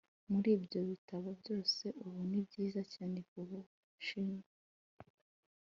muri ibyo bitabo byose, ubu ni byiza cyane ku bushinwa